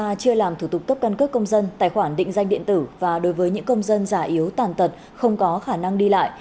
a chưa làm thủ tục cấp căn cước công dân tài khoản định danh điện tử và đối với những công dân giả yếu tàn tật không có khả năng đi lại